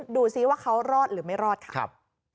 ดูซิว่าเขารอดหรือไม่รอดค่ะครับ